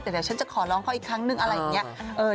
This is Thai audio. แต่เดี๋ยวฉันจะขอร้องเขาอีกครั้งนึงอะไรอย่างนี้